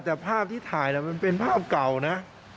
แต่ภาพที่ถ่ายมันเป็นภาพเก่านะ